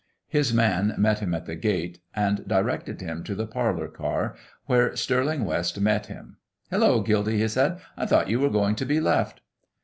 His man met him at the gate and directed him to the parlor car, where Stirling West met him. "Hello, Gildy!" he said; "I thought you were going to be left."